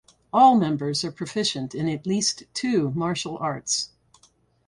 All members are proficient in at least two martial arts.